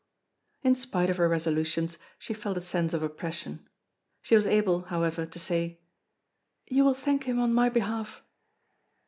In spite of her resolutions she felt a sense of oppression. She was able, however, to say: "You will thank him on my behalf."